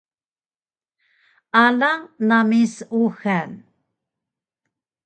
Alang nami seuxal